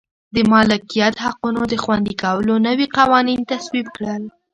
د مالکیت حقونو د خوندي کولو نوي قوانین تصویب کړل.